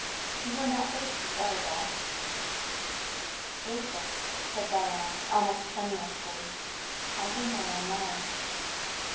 You were not thirsty, that is all." "Basil," said Diana, almost tremulously, "I think I am now."